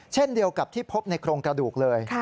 เช่นเดียวกับที่พบในโครงกระดูกเลย